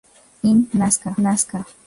In Nasca.